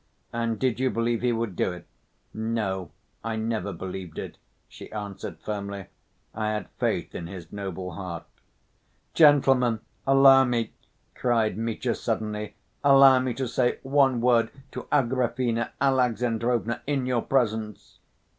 "And did you believe he would do it?" "No, I never believed it," she answered firmly. "I had faith in his noble heart." "Gentlemen, allow me," cried Mitya suddenly, "allow me to say one word to Agrafena Alexandrovna, in your presence."